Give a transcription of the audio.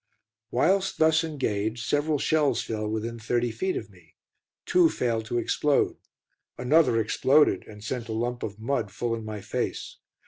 Whilst thus engaged, several shells fell within thirty feet of me. Two failed to explode; another exploded and sent a lump of mud full in my face.